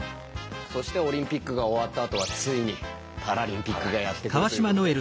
そしてオリンピックが終わったあとはついにパラリンピックがやって来るということで。